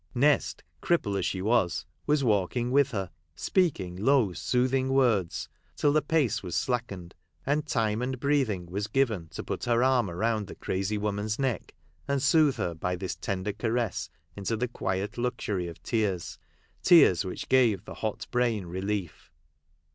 Nest, cripple as she was, was walking with her, speaking low soothing words, till the pace was slackened, and time and breathing was given to put her arm around the crazy woman's neck, and soothe her by this tender caress into the quiet luxury of tears ; tears which give the hot brain relief.